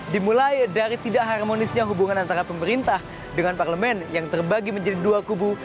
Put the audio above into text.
dimulai dari tidak harmonisnya hubungan antara pemerintah dengan parlemen yang terbagi menjadi dua kubu